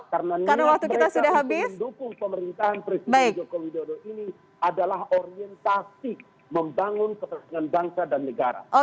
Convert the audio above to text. karena ini mereka yang ingin dukung pemerintahan presiden joko widodo ini adalah orientasi membangun ketegangan bangsa dan negara